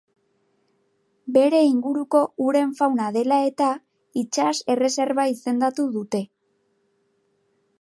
Bere inguruko uren fauna dela eta, itsas erreserba izendatu dute.